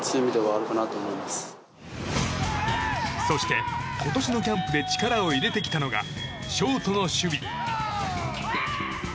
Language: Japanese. そして、今年のキャンプで力を入れてきたのがショートの守備。